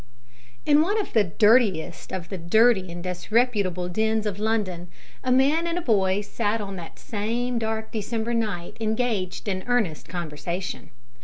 In one of the dirtiest of the dirty and disreputable dens of London, a man and a boy sat on that same dark December night engaged in earnest conversation.